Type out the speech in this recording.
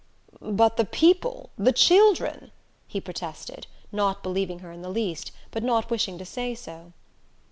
"But the people the children," he protested, not believing her in the least, but not wishing to say so.